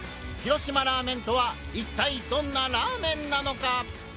「広島ラーメン」とはいったいどんな「ラーメン」なのか！？